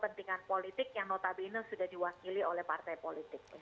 kepentingan politik yang notabene sudah diwakili oleh partai politik